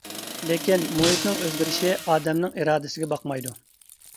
لېكىن، مۇھىتنىڭ ئۆزگىرىشى ئادەمنىڭ ئىرادىسىگە باقمايدۇ.